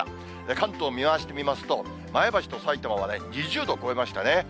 関東を見回してみますと、前橋とさいたまは２０度を超えましたね。